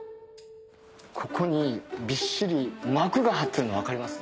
ここにびっしり膜が張ってるの分かります？